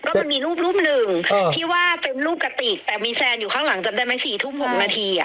มันมีรูปรูปหนึ่งที่ว่าเป็นรูปกะติกแต่มีแฟนอยู่ข้างหลังจำได้ไหม๔ทุ่ม๖นาที